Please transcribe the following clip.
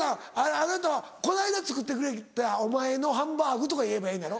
あなたは「この間作ってくれたお前のハンバーグ」とか言えばええのやろ。